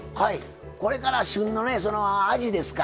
これから旬のあじですか。